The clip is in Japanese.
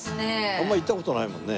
あんま行った事ないもんね。